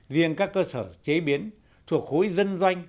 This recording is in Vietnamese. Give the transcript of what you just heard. riêng các cơ sở chế biến thuộc khối dân doanh